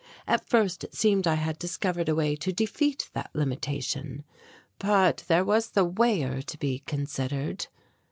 At first it seemed I had discovered a way to defeat that limitation but there was the weigher to be considered.